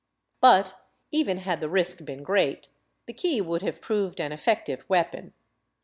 But even had the risk been great, the key would have proved an effective weapon.